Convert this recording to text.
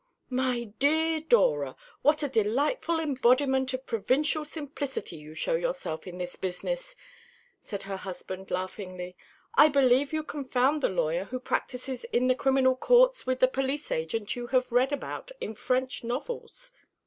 "My dear Dora, what a delightful embodiment of provincial simplicity you show yourself in this business!" said her husband laughingly. "I believe you confound the lawyer who practises in the criminal courts with the police agent you have read about in French novels.